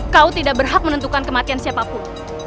kau tidak berhak menentukan kematian siapapun